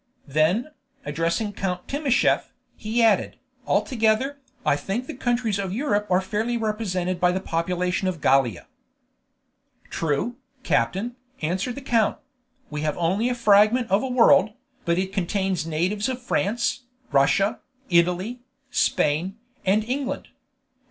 Then, addressing Count Timascheff, he added, "Altogether, I think the countries of Europe are fairly represented by the population of Gallia." "True, captain," answered the count; "we have only a fragment of a world, but it contains natives of France, Russia, Italy, Spain, and England.